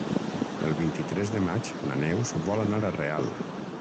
El vint-i-tres de maig na Neus vol anar a Real.